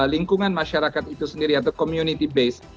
lingkungan masyarakat itu sendiri atau community base